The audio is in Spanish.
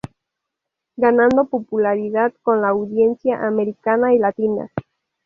Ganando popularidad con la audiencia Americana y Latina.